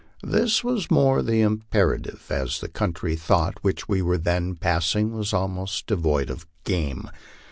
This was the more imperative as the country through which we were then passing was almost devoid of game.